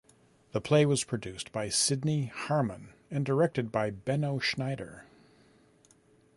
The play was produced by Sidney Harmon and directed by Benno Schneider.